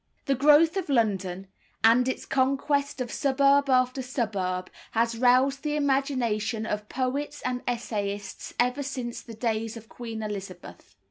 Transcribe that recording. The growth of London, and its conquest of suburb after suburb, has roused the imagination of poets and essayists ever since the days of Queen Elizabeth.